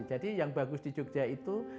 jadi yang bagus di jogja itu